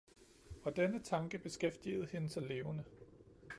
og denne tanke beskæftigede hende så levende.